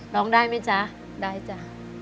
ร้องได้มั้ยจ๊ะได้จ๊ะ